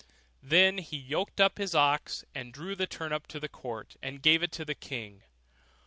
Then he yoked his oxen, and drew the turnip to the court, and gave it to the king.